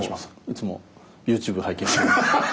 いつもＹｏｕＴｕｂｅ拝見して。